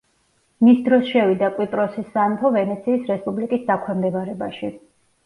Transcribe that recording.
მის დროს შევიდა კვიპროსის სამეფო ვენეციის რესპუბლიკის დაქვემდებარებაში.